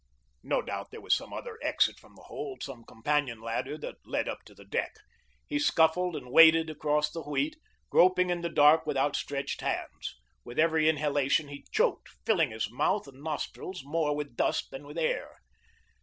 No doubt, there was some other exit from the hold, some companion ladder that led up to the deck. He scuffled and waded across the wheat, groping in the dark with outstretched hands. With every inhalation he choked, filling his mouth and nostrils more with dust than with air.